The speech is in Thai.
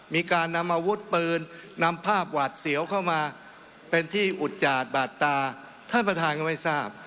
มีการนำอาวุธปืนนำภาพหวาดเสียวเข้ามาเป็นที่อุดจาดบาดตาท่านประธานก็ไม่ทราบ